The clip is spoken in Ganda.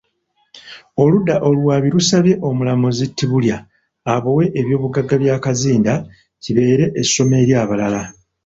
Oludda oluwaabi lusabye Omulamuzi Tibulya abowe eby'obugagga bya Kazinda, kibeere essomo eri abalala